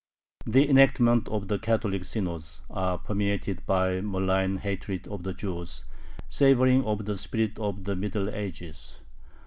The enactments of the Catholic synods are permeated by malign hatred of the Jews, savoring of the spirit of the Middle Ages.